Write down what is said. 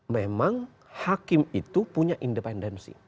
memang hakim itu punya independensi